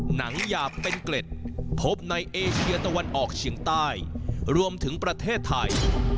หนังหยาบเป็นเกล็ดพบในเอเชียตะวันออกเฉียงใต้รวมถึงประเทศไทย